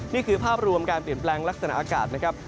นี่คือภาพรวมการเปลี่ยนแปลงลักษณะอากาศนะครับ